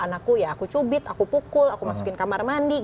anakku ya aku cubit aku pukul aku masukin kamar mandi